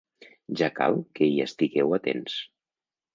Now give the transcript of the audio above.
Ja cal que hi estigueu atents!